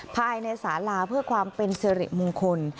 ภายในสาลาเพื่อความเป็นสิริมงคล